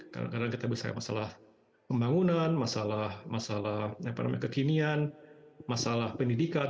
kadang kadang kita bicara masalah pembangunan masalah kekinian masalah pendidikan